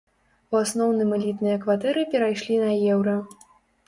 У асноўным элітныя кватэры перайшлі на еўра.